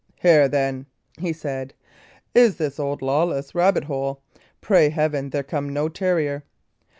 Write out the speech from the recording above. "Here, then," he said, "is this old Lawless's rabbit hole; pray Heaven there come no terrier!